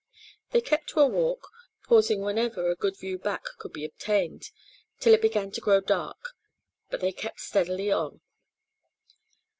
They kept to a walk, pausing wherever a good view back could be obtained, till it began to grow dark, but they kept steadily on.